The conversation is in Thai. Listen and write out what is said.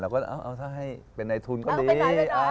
แล้วก็เอาให้เป็นในทุนก็ดี